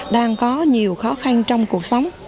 đang có nhiều khó khăn trong cuộc sống